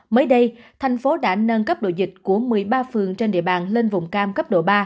mới đây thành phố đã nâng cấp độ dịch của một mươi ba phường trên địa bàn lên vùng cam cấp độ ba